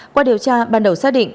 qua điều tra ban đầu xác định